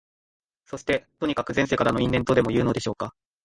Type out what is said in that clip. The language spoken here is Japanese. そして、とにかく前世からの因縁とでもいうのでしょうか、